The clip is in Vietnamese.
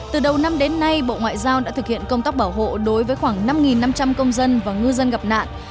từ đầu năm đến nay bộ ngoại giao đã thực hiện công tác bảo hộ đối với khoảng năm năm trăm linh công dân và ngư dân gặp nạn